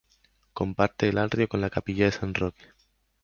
Comparte el atrio con la Capilla de San Roque.